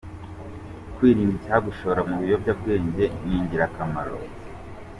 Kwirinda icyagushora mu biyobyabwenge ni ingirakamaro.